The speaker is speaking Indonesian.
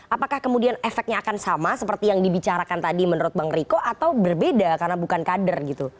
apakah kemudian efeknya akan sama seperti yang dibicarakan tadi menurut bang riko atau berbeda karena bukan kader gitu